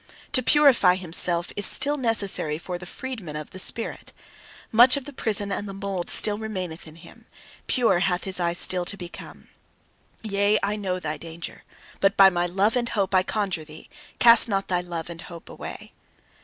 To purify himself, is still necessary for the freedman of the spirit. Much of the prison and the mould still remaineth in him: pure hath his eye still to become. Yea, I know thy danger. But by my love and hope I conjure thee: cast not thy love and hope away!